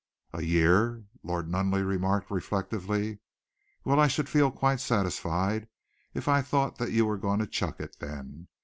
"A year," Lord Nunneley remarked reflectively. "Well, I should feel quite satisfied if I thought that you were going to chuck it then.